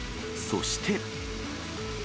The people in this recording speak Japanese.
そして。